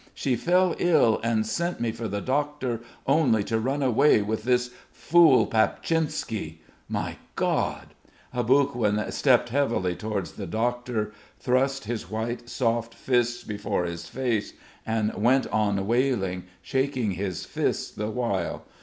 She fell ill and sent me for the doctor only to run away with this fool Papchinsky. My God!" Aboguin stepped heavily towards the doctor, thrust his white soft fists before his face, and went on wailing, shaking his fists the while.